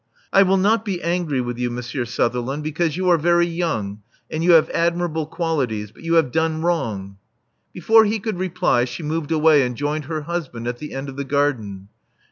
I will not be angry with you, Monsieur Sutherland, because you are very young, and you have admirable qualities. But you have done wrong." Before he could reply, she moved away and joined her husband at the end of the garden.